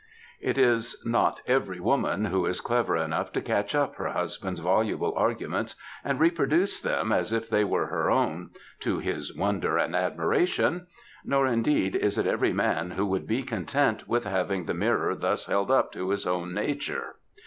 It is not every woman who is clever enough to catch up her husband'^s voluble arguments and reproduce them as if they were her own ŌĆö ^to his wonder and admiration ŌĆö nor, indeed, is it every man who would be content with having the mirror thus held up to his own nature.